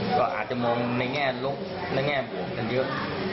ก็อาจจะมองในแง่ลบในแง่บวกกันเยอะ